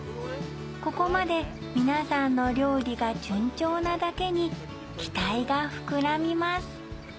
ここまで皆さんの料理が順調なだけに期待が膨らみます